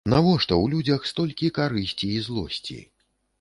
Навошта ў людзях столькі карысці і злосці?